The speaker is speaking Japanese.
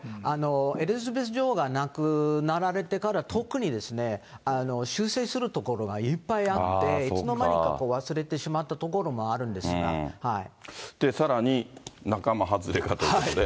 エリザベス女王が亡くなられてから、特にですね、修正するところがいっぱいあって、いつの間にか忘れてしまったところもあるさらに、仲間外れかということで。